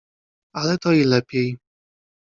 "Ale to i lepiej."